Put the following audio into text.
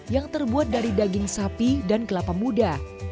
yang terbuat dari daging sapi dan kelapa muda